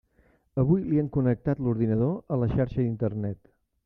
Avui li han connectat l'ordinador a la xarxa d'Internet.